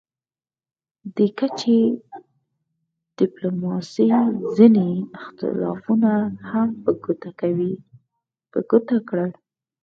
دې کچې ډیپلوماسي ځینې اختلافونه هم په ګوته کړل